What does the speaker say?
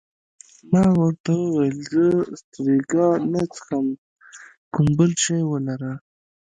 ما ورته وویل: زه سټریګا نه څښم، کوم بل شی ولره.